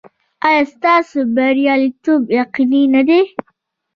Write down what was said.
ایا ستاسو بریالیتوب یقیني نه دی؟